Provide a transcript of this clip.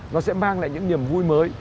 nó sẽ mang lại những niềm vui mới